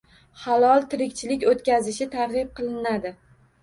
Halol tirikchilik o‘tkazishi targ‘ib qilinadi.